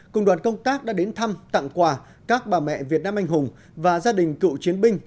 cùng đoàn công tác đã đến thăm tặng quà các bà mẹ việt nam anh hùng và gia đình cựu chiến binh